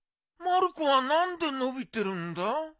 まる子は何でのびてるんだ？